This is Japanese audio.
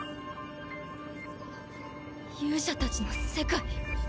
勇者たちの世界。